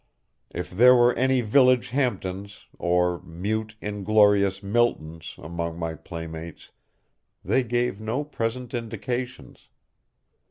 If there were any village Hampdens, or mute, inglorious Miltons among my playmates, they gave no present indications.